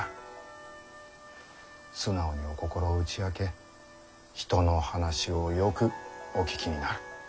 素直にお心を打ち明け人の話をよくお聞きになる。